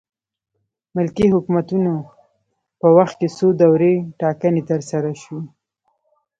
ملکي حکومتونو په وخت کې څو دورې ټاکنې ترسره شوې.